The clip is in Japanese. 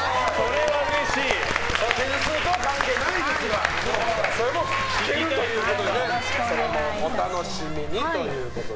点数とは関係ないですがそれも聴けるということでお楽しみにということで。